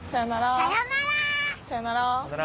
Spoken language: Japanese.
さようなら。